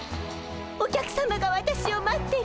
お客さまが私を待ってる。